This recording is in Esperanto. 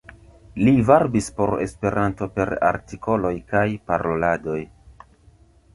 Li varbis por Esperanto per artikoloj kaj paroladoj.